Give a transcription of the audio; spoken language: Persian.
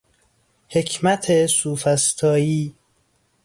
حکمت سوفسطائی